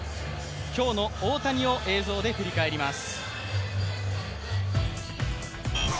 今日の大谷を映像で振り返ります。